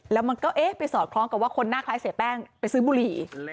แล้วมันก็เอ๊ะไปสอดคล้องกับว่าคนหน้าคล้ายเสียแป้งไปซื้อบุหรี่